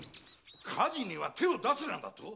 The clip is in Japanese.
火事には手を出すなだと？